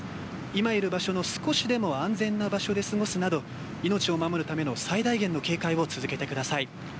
今いる場所の、少しでも安全な場所で過ごすなど命を守るために最大限の警戒を続けてください。